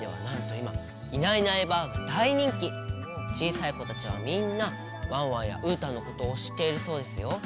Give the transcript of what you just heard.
さいこたちはみんなワンワンやうーたんのことをしっているそうですよ。